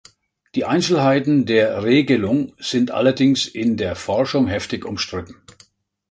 Die Einzelheiten der Regelung sind allerdings in der Forschung heftig umstritten.